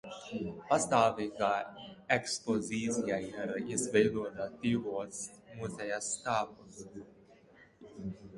Pastāvīgā ekspozīcija ir izvietota divos muzeja stāvos.